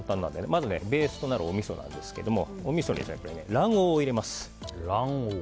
まず、ベースとなるおみそですがまず、おみそに卵黄を入れます。